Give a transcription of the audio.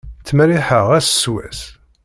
Ttmerriḥeɣ ass s wass.